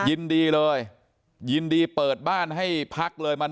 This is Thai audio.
ยินดีเลยยินดีเปิดบ้านให้พักเลยมา